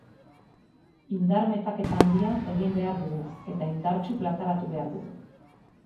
Indar metaketa handia egin behar dugu eta indartsu plazaratu behar dugu.